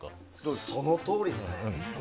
そのとおりですね。